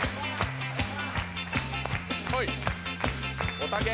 おたけ。